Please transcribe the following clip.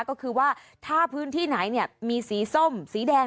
ก็คือว่าถ้าพื้นที่ไหนมีสีส้มสีแดง